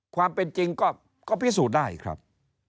ความเป็นจริงก็พิสูจน์ได้ครับ